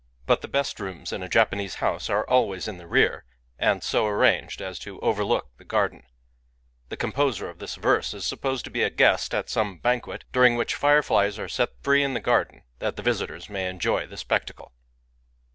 But the best rooms in a Japanese house are always in the rear, and so arranged as to overiook the garden. The composer of the verse u supposed to be a gu est at some banquet, during which fireflies are set free in the garden that the visitors may enjoy the spectacle.